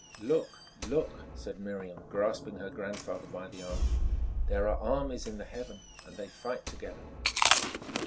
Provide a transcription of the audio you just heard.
"Look, look!" said Miriam, grasping her grandfather by the arm, "there are armies in the heavens, and they fight together."